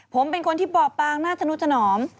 ผมเป็นคนที่บ่อปางหน้าธนุถนอม